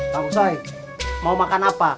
tahu saya mau makan apa